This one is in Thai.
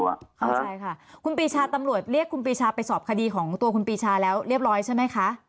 ใช่ค่ะคุณปีชาตำรวจเรียกคุณปีชาไปสอบคดีของตัวคุณปีชาแล้วเรียบร้อยใช่ไหมคะ